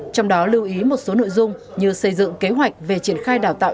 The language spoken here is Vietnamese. trong đó lưu ý một số nội dung như xây dựng kế hoạch về triển khai đào tạo